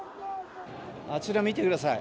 あちら見てください。